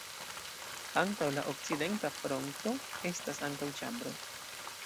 Antaŭ la okcidenta fronto estas antaŭĉambro.